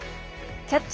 「キャッチ！